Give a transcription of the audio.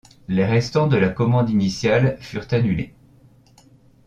Les restants de la commande initiale furent annulés.